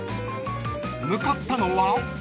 ［向かったのは］